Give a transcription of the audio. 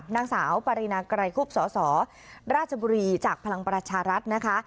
นางสาวปรินาไกรคุบสสราชบุรีจากพลังประชารัฐนะคะ